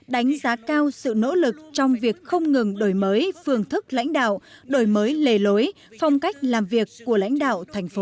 đánh giá cao sự nỗ lực trong việc không ngừng đổi mới phương thức lãnh đạo đổi mới lề lối phong cách làm việc của lãnh đạo thành phố